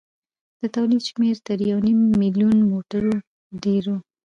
د تولید شمېر تر یو نیم میلیون موټرو ډېر و.